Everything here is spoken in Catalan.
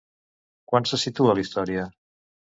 Quan se situa la història?